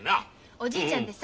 おじいちゃんってさ